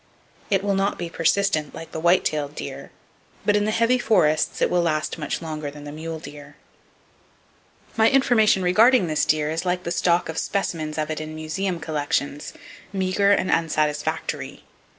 It will not be persistent, like the white tailed deer, but in the heavy forests, it will last much longer than the mule deer. My information regarding this deer is like the stock of specimens of it in museum collections,—meager and unsatisfactory.